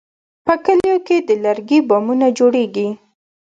په کلیو کې د لرګي بامونه جوړېږي.